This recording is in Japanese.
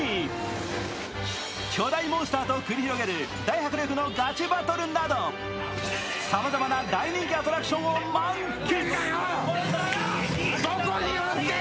巨大モンスターと繰り広げる大迫力のガチバトルなどさまざまな大人気アトラクションを満喫！